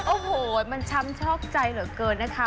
โอ้โหมันช้ำชอกใจเหลือเกินนะคะ